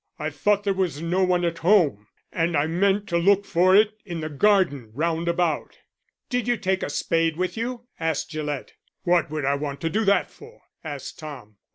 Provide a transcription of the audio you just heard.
I thought there was no one at home and I meant to look for it in the garden round about." "Did you take a spade with you?" asked Gillett. "What would I want to do that for?" asked Tom.